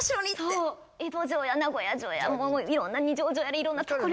そう江戸城や名古屋城やいろんな二条城やらいろんなとこに。